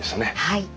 はい。